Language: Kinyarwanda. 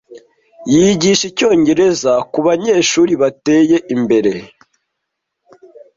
Yigisha icyongereza kubanyeshuri bateye imbere.